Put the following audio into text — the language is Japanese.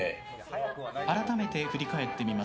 改めて振り返ってみます。